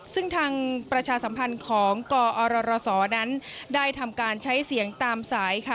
ซึ่งทางประชาสัมพันธ์ของกอรศนั้นได้ทำการใช้เสียงตามสายค่ะ